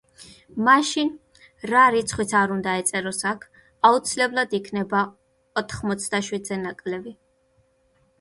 მაშინ, რა რიცხვიც არ უნდა ეწეროს აქ, აუცილებლად იქნება ოთხმოცდაშვიდზე ნაკლები.